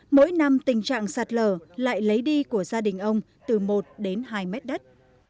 mỗi năm tình trạng sạt lở lại lấy đi của gia đình ông từ một đến hai mét đất